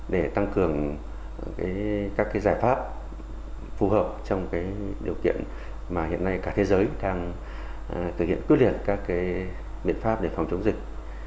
để tăng cường các giải pháp phù hợp trong điều kiện mà hiện nay cả thế giới đang thực hiện quyết liệt các biện pháp để phòng chống dịch